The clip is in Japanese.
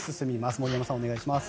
森山さん、お願いします。